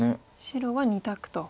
白は２択と。